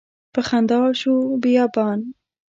په خندا شو بیابان